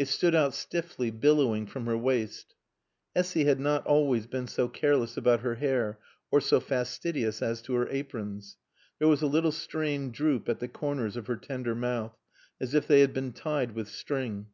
It stood out stiffly, billowing, from her waist. Essy had not always been so careless about her hair or so fastidious as to her aprons. There was a little strained droop at the corners of her tender mouth, as if they had been tied with string.